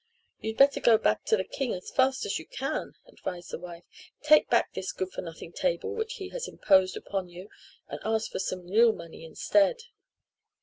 "You'd better go back to the king as fast as you can," advised the wife. "Take back this good for nothing table which he has imposed upon you and ask for some real money instead."